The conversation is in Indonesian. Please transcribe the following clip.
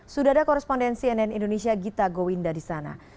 sudah ada korespondensi nn indonesia gita gowinda disana